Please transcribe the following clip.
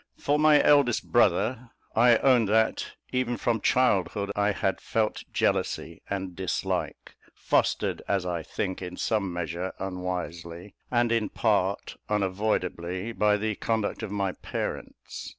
For my eldest brother, I own that, even from childhood, I had felt a jealousy and dislike, fostered, as I think, in some measure unwisely, and in part unavoidably, by the conduct of my parents.